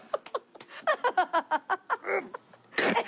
アハハハ！